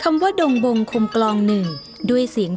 คำว่าดงบงคมกลองหนึ่งด้วยเสียงพาดเสียงผิน